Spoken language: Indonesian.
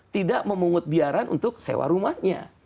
tidak memungut biaran untuk sewa rumahnya